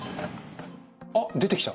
あっ出てきた。